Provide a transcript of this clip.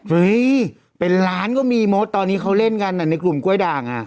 เฮ้ยเป็นล้านก็มีมดตอนนี้เขาเล่นกันในกลุ่มกล้วยด่างอ่ะ